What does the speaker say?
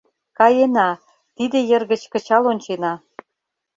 Каена, тиде йыр гыч кычал ончена.